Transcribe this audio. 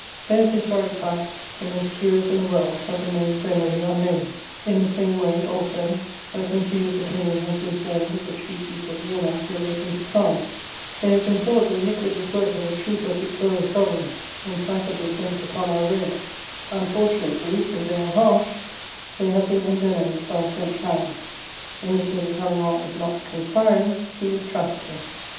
Those historic facts, the most curious in the world, have remained generally unknown; in the same way, also, a confused opinion has been formed of the Treaties of Vienna relating to France: they have been thought the iniquitous work of a troop of victorious sovereigns, implacably bent upon our ruin; unfortunately, if they are harsh, they have been envenomed by a French hand: when M. de Talleyrand is not conspiring, he is trafficking.